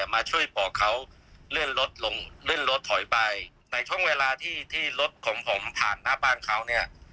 มาช่วยบอกเขาเลื่อนรถลงเลื่อนรถถอยไปในช่วงเวลาที่ที่รถของผมผ่านหน้าบ้านเขาเนี่ย